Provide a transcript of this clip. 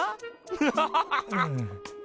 フハハハハ！